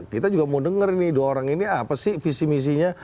kita juga mau denger nih dua orang ini apa sih visi misinya